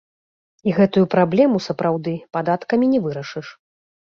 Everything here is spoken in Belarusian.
І гэтую праблему, сапраўды, падаткамі не вырашыш.